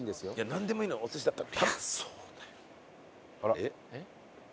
なんでもいいのお寿司だったら。